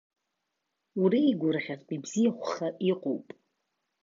Уреигәырӷьартә ибзиахәха иҟоуп!